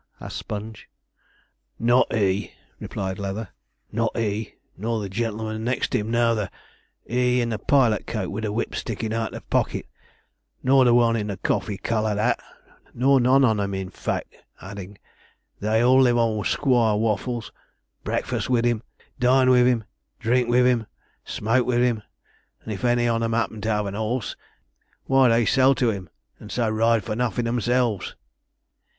asked Sponge. 'Not he,' replied Leather, 'not he, nor the gen'lman next him nouther he, in the pilot coat, with the whip sticking out of the pocket, nor the one in the coffee coloured 'at, nor none on 'em in fact'; adding, 'they all live on Squire Waffles breakfast with him dine with him drink with him smoke with him and if any on 'em 'appen to 'ave an 'orse, why they sell to him, and so ride for nothin' themselves.'